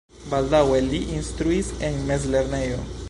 Baldaŭe li instruis en mezlernejo.